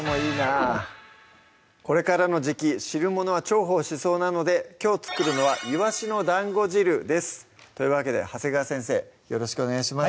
これからの時季汁物は重宝しそうなのできょう作るのは「いわしの団子汁」ですというわけで長谷川先生よろしくお願いします